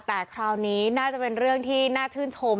แต่คราวนี้น่าจะเป็นเรื่องที่น่าชื่นชม